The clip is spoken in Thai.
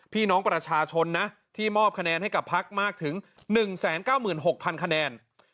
พี่น้องประชาชนนะที่มอบคะแนนให้กับพักมากถึง๑๙๖๐๐คะแนน